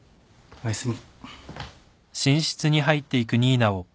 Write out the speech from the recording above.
おやすみ。